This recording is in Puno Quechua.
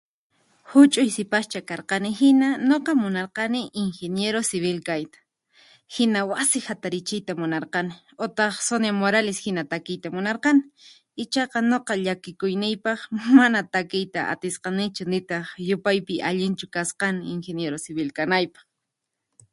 Huch'uy sipascha karqani hina nuqa munarkani ingeniero civil kayta, hina wasi hatarichiyta munarqani utaq Sonia Morales hina takiyta munarqani. Ichaqa nuqa llakikuyniypaq mana takiyta atisqanichu nitaq yupaypi allinchu kasqani ingeniero civil kanaypaq.